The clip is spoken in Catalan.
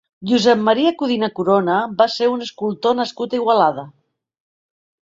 Josep Maria Codina Corona va ser un escultor nascut a Igualada.